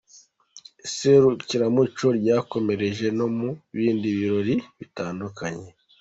Iserukiramuco ryakomereje no mu bindi birori bitandukanye.